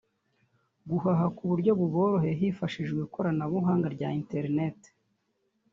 guhaha ku buryo buboroheye hifashishijwe ikoranabuhanga rya internet